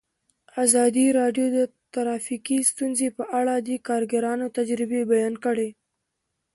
ازادي راډیو د ټرافیکي ستونزې په اړه د کارګرانو تجربې بیان کړي.